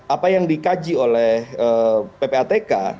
apa yang dikaji oleh ppatk